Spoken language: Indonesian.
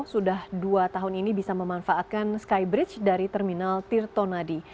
sudah dua tahun ini bisa memanfaatkan skybridge dari terminal tirtonadi